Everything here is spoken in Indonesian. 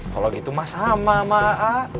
kalau gitu mah sama sama a a